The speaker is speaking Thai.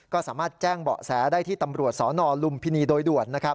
ก็สามารถแจ้งเบาะแสได้ที่ตำรวจสนลุมพินีโดยด่วน